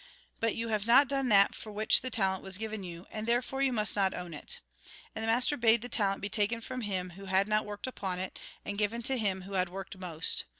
But you have not done that for which the talent was given you, and, therefore, you must not own it.' And the master bade the talent be taken from him who had not worked upon it, and given to him who had worked most.